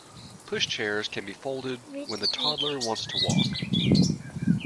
Pushchairs can be folded when the toddler wants to walk